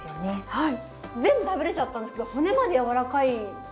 はい。